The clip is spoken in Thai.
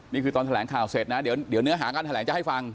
นี่คือตอนแถลงข่าวเสร็จนะเดี๋ยวเนื้อหาการแถลงจะให้ฟัง